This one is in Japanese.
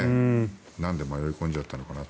なんで迷い込んじゃったのかなって。